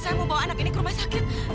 saya mau bawa anak ini ke rumah sakit